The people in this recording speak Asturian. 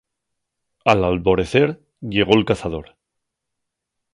Al alborecer llegó'l cazador.